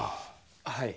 はい。